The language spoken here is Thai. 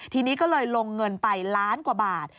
ทีนี้ก็เลยลงเงินไปล้านกว่าบาท